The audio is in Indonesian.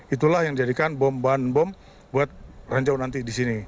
itulah yang dijadikan bom ban bom buat ranjau nanti di sini